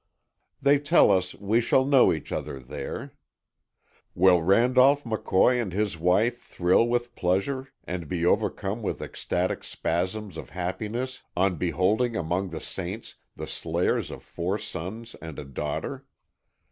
They tell us "we shall know each other there." Will Randolph McCoy and his wife thrill with pleasure and be overcome with ecstatic spasms of happiness on beholding among the saints the slayers of four sons and a daughter?